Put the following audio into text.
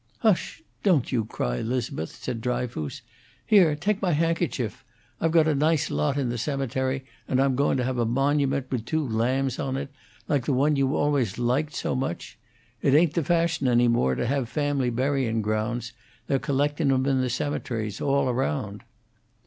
"Hush! Don't you cry, 'Liz'beth!" said Dryfoos. "Here; take my handkerchief. I've got a nice lot in the cemetery, and I'm goin' to have a monument, with two lambs on it like the one you always liked so much. It ain't the fashion, any more, to have family buryin' grounds; they're collectin' 'em into the cemeteries, all round."